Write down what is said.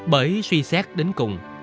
bởi suy xét đến cùng